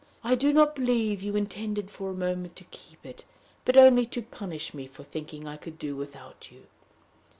I do not believe you intended for a moment to keep it, but only to punish me for thinking I could do without you.